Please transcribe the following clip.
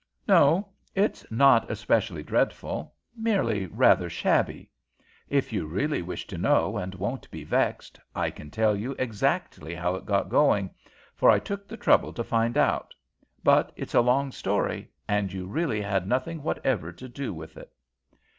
"No, it's not especially dreadful; merely rather shabby. If you really wish to know, and won't be vexed, I can tell you exactly how it got going, for I took the trouble to find out. But it's a long story, and you really had nothing whatever to do with it."